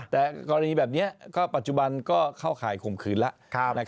แต่กรณีแบบนี้ก็ปัจจุบันก็เข้าข่ายข่มขืนแล้ว